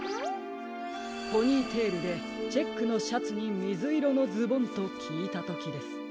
ポニーテールでチェックのシャツにみずいろのズボンときいたときです。